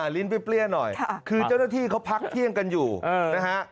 ลิ้นเปรี้ยหน่อยคือเจ้าหน้าที่เขาพักเที่ยงกันอยู่นะฮะ